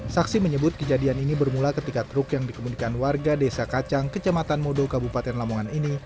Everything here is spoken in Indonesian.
saksi menyebut kejadian ini bermula ketika truk yang dikemudikan warga desa kacang kecamatan modo kabupaten lamongan ini